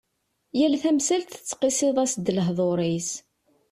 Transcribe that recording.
Yal tamsalt tettqisiḍ-as-d lehdur-is.